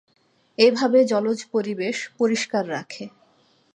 এভাবে জলজ পরিবেশ পরিষ্কার রাখে।